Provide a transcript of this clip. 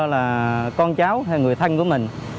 là con cháu hay người thân của mình